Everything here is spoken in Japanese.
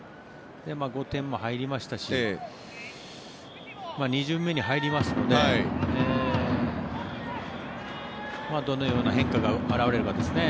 ５点も入りましたし２巡目に入りますのでどのような変化が表れるかですね。